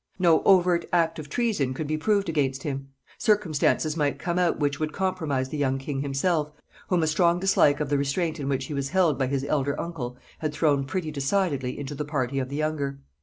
No overt act of treason could be proved against him: circumstances might come out which would compromise the young king himself, whom a strong dislike of the restraint in which he was held by his elder uncle had thrown pretty decidedly into the party of the younger.